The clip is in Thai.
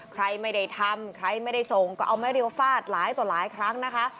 ใครไม่ได้ทำใครไม่ได้ส่งก็เอาไม่เรียวฟาดหลายต่อหลายครั้งนะคะ